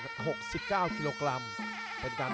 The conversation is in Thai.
สวัสดีครับทุกคน